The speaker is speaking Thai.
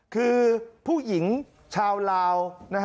คือผู้หญิงชาวลาว